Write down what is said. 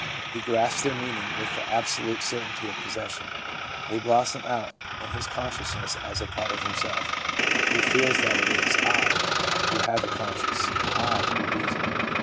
He grasps their meaning with the absolute certainty of possession ; they blossom out in his consciousness as a part of himself; he feels that it is ' I ' who have a conscience, and ' I ' who reason.